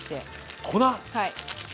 はい。